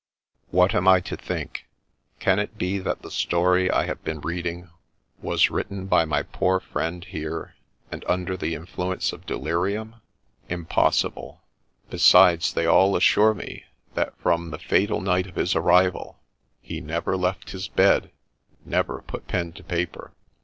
What am I to think ?— Can it be that the story I have been reading was written by my poor friend here, and under the influence of delirium ?— Impossible ! Besides they all assure me, that from the fatal night of his arrival he never left his bed — never put pen to paper.